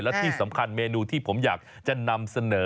และที่สำคัญเมนูที่ผมอยากจะนำเสนอ